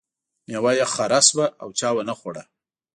میوه یې خره شوه او چا ونه خوړه.